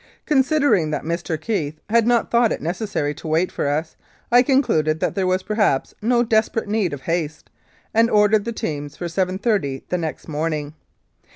Considering that Mr. Keith had not thought it necessary to wait for us, I concluded that there was perhaps no desperate need of haste, and ordered the teams for 7.30 the next morning.